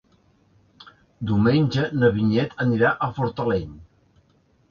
Diumenge na Vinyet anirà a Fortaleny.